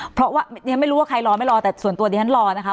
เพราะว่าเรียนไม่รู้ว่าใครรอไม่รอแต่ส่วนตัวดิฉันรอนะคะ